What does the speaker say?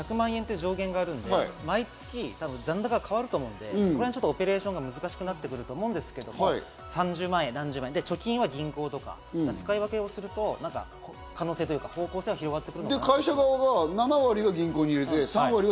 １００万円という上限があるので毎月、残高が変わると思うのでオペレーションが難しくなってくると思うんですけど、何十万円、何十万円、貯金は銀行とか、使い分けをすると可能性というか、方向性が広がる。